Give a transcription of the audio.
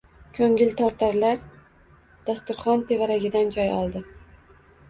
Ko‘ngiltortarlar dasturxon tevaragidan joy oldi.